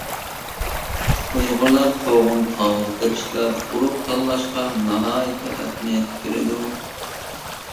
ئۇيغۇرلار قوغۇن-تاۋۇز تېرىشتا ئۇرۇق تاللاشقا ناھايىتى ئەھمىيەت بېرىدۇ.